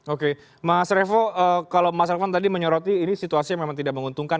oke mas revo kalau mas elvan tadi menyoroti ini situasi yang memang tidak menguntungkan